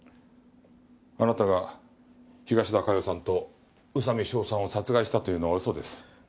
あなたが東田加代さんと宇佐美翔さんを殺害したというのは嘘です。